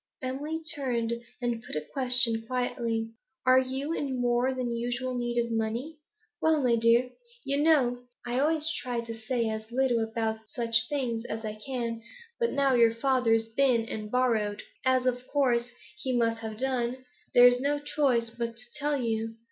Emily turned and put a question quietly. 'Are you in more than usual need of money?' 'Well, my dear, you know I always try to say as little about such things as I can, but now your father's been and borrowed as of course he must have done there's no choice but to tell you.